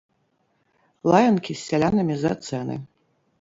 Лаянкі з сялянамі за цэны.